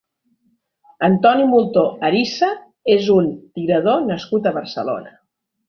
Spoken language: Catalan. Antoni Moltó Arissa és un tirador nascut a Barcelona.